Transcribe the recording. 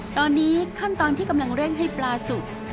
ตอนนี้ขั้นตอนที่กำลังเร่งให้ปลาสุก